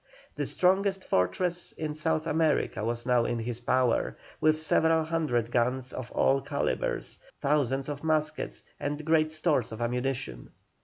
The strongest fortress in South America was now in his power, with several hundred guns of all calibres, thousands of muskets, and great stores of ammunition.